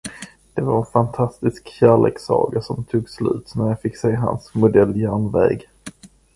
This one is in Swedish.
Det var en fantastisk kärlekssaga som tog slut när jag fick se hans modelljärnväg.